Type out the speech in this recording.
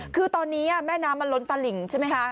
คือตอนนี้แม่น้ำมันล้นตลิ่งใช่ไหมคะ